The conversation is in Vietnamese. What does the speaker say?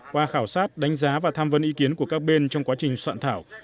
qua khảo sát đánh giá và tham vấn ý kiến của các bên trong quá trình soạn thảo